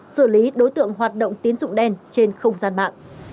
xử lý đối tượng hoạt động tín dụng đen trên không gian mạng